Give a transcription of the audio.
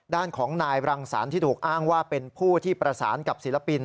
ด้านของนายรังสรรค์ที่ถูกอ้างว่าเป็นผู้ที่ประสานกับศิลปิน